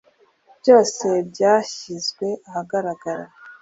byose byashyizwe ahagaragara,